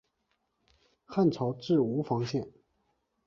汉朝置吴房县。